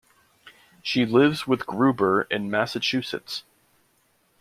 She lives with Gruber in Massachusetts.